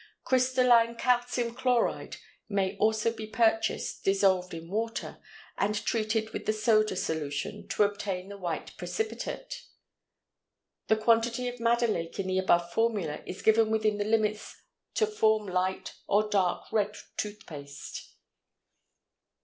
Crystalline calcium chloride may also be purchased, dissolved in water, and treated with the soda solution to obtain the white precipitate. The quantity of madder lake in the above formula is given within the limits to form light or dark red tooth paste.